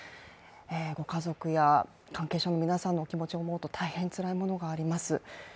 ご家族や関係者の皆さんの気持ちを思うと大変つらいものがあります。